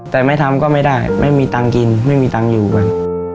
แต่ไม่ทำก็ไม่ได้ไม่มีตังค์กินไม่มีตังค์อยู่กัน